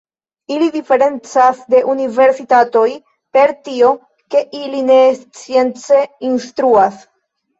Ili diferencas de universitatoj per tio, ke ili ne science instruas.